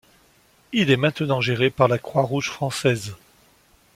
Il est maintenant géré par la Croix Rouge Française.